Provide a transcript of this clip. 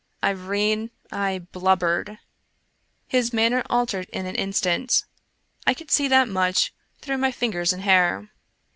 Irene, I blubbered ! His manner altered in an instant — I could see that much through my fingers and hair.